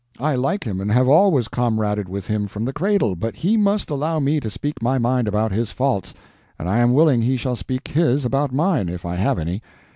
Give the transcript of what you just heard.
I like him, and have always comraded with him from the cradle, but he must allow me to speak my mind about his faults, and I am willing he shall speak his about mine, if I have any.